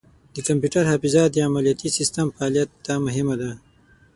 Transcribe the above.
د کمپیوټر حافظه د عملیاتي سیسټم فعالیت ته مهمه ده.